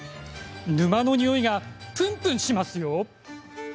沼のにおいがぷんぷんしますよ。